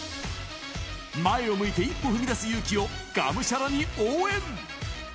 前を向いて一歩踏み出す勇気をがむしゃらに応援。